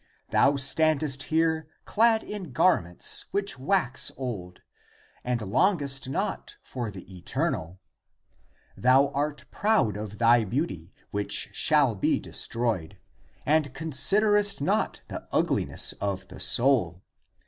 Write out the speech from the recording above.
Thou standest here clad in ACTS OF THOMAS 335 garments which wax old, and longest not for the eternal. Thou art proud of thy beauty which shall be destroyed, and considerest not the ugliness of the soul.